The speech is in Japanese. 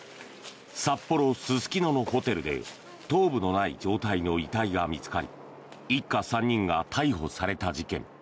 札幌・すすきののホテルで頭部のない状態の遺体が見つかり一家３人が逮捕された事件。